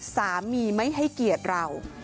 สามีไม่ให้เกียรติเรา